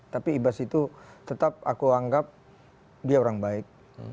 tapi ibas itu tetap aku anggap dia orang baik